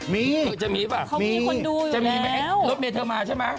มีหรือจะมีหรือเปล่าจะมีน้องเมธเธอมาใช่ไหม